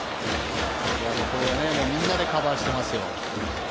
みんなでカバーしてますよ。